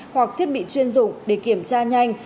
hoặc thiết bị chuyên dụng để kiểm tra nhanh